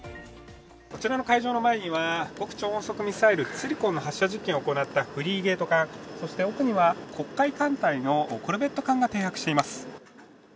こちらの会場の前には極超音速ミサイル、ツィルコンの発射実験を行ったフリゲート艦、そして奥には黒海艦隊のコルベット艦が停泊しています。